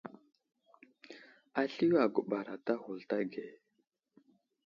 Asliyo aguɓar ada ghulta age.